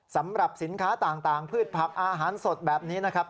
สำหรับสินค้าต่างพืชผักอาหารสดแบบนี้นะครับ